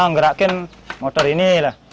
menggerakkan motor ini lah